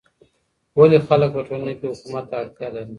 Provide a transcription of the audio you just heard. ولي خلګ په ټولنه کي حکومت ته اړتيا لري؟